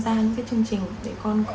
những cái chương trình để con có